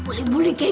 asahin kalian berdua